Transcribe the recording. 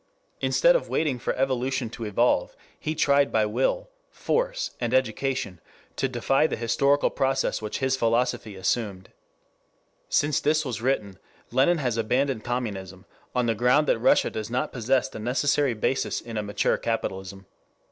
Instead of waiting for evolution to evolve, he tried by will, force, and education, to defy the historical process which his philosophy assumed. Since this was written Lenin has abandoned communism on the ground that Russia does not possess the necessary basis in a mature capitalism.